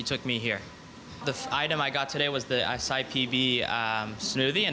item yang saya beli hari ini adalah smoothie dari sipb dan sangat enak